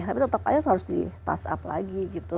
tapi tetap aja harus di touch up lagi gitu